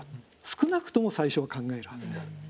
少なくとも最初は考えるはずです。